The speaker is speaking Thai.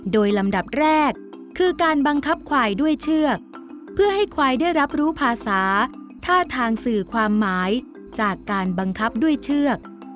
โดยลำดับแรกคือการบังคับควายด้วยเชือกเพื่อให้ควายได้รับรู้ภาษาท่าทางสื่อความหมายจากการบังคับด้วยเชือก